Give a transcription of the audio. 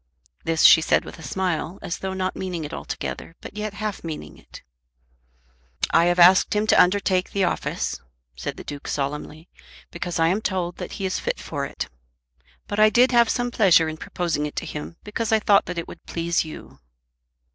This she said with a smile, as though not meaning it altogether, but yet half meaning it. "I have asked him to undertake the office," said the Duke solemnly, "because I am told that he is fit for it. But I did have some pleasure in proposing it to him because I thought that it would please you."